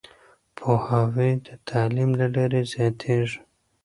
پوهاوی د تعليم له لارې زياتېږي.